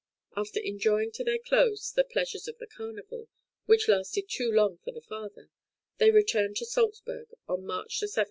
After enjoying to their close the pleasures of the Carnival, which lasted too long for the father, they returned to Salzburg on March 7,1775.